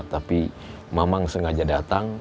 tapi mamang sengaja datang